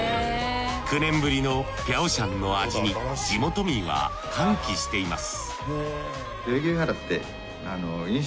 ９年ぶりピャオシャンの味に地元民は歓喜しています